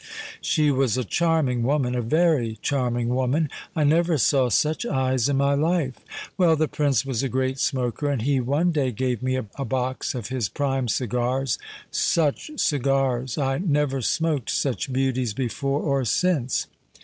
She was a charming woman—a very charming woman. I never saw such eyes in my life! Well, the Prince was a great smoker; and he one day gave me a box of his prime cigars—such cigars! I never smoked such beauties before or since.